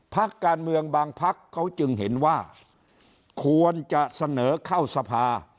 พักการเมืองบางพักเขาจึงเห็นว่าควรจะเสนอเข้าสภา